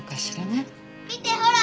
見てほら！